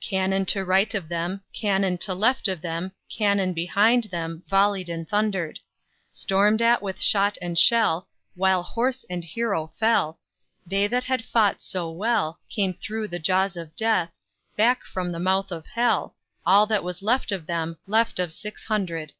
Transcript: Cannon to right of them, Cannon to left of them, Cannon behind them Volley'd and thunder'd; Storm'd at with shot and shell, While horse and hero fell, They that had fought so well Came thro' the jaws of Death, Back from the mouth of Hell, All that was left of them, Left of six hundred.